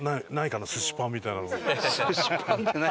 寿司パンって何？